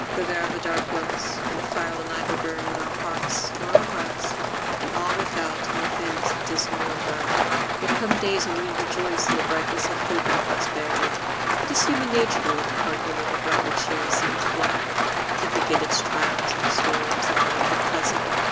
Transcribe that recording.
Though there are the dark ones, when the fire will neither burn on our hearths nor our hearts, and all without and within is dismal and dark, there come days when we rejoice in the brightness of hope and prosperity. It is human nature to look upon only the bright and cheery scenes of life, to forget its trials and storms in the light of the present.